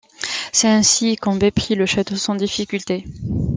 C'est ainsi qu'Hanbei prit le château sans difficulté.